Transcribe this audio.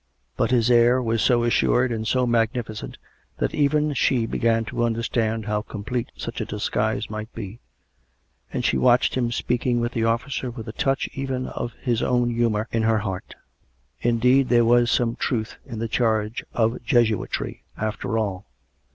But his air was so assured and so magnificent that even she began to understand how complete such a disguise might be; and she watched him speaking with the officer with a touch even of his own humour in her heart. Indeed, there was some truth in the charge of Jesuitry, after all!